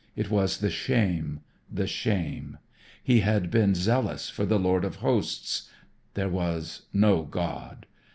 It was the shame, the shame. He had been zealous for the Lord of Hosts. There was no God.